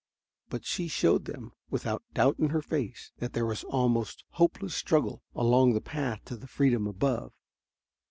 But she showed them, with doubt in her face, that there was almost hopeless struggle along that path to the freedom above.